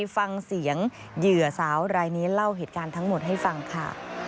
ฟังเสียงเหยื่อสาวรายนี้เล่าเหตุการณ์ทั้งหมดให้ฟังค่ะ